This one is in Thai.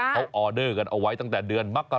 เขาออเดอร์กันเอาไว้ตั้งแต่เดือนมกรา